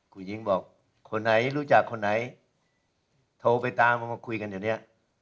คุณหญิงบอกคนไหนรู้จักคนไหนโทรไปตามมามาคุยกันอย่างนี้